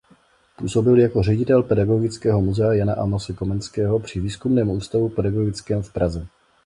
Působil jako ředitel Pedagogického muzea Jana Amose Komenského při Výzkumném ústavu pedagogickém v Praze.